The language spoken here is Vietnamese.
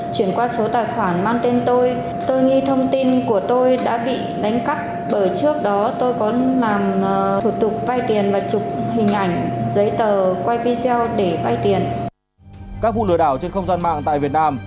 các vụ lừa đảo trên không gian mạng tại việt nam